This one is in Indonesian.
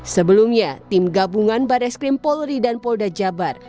sebelumnya tim gabungan bares krim polri dan polda jabar